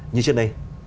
như trước đây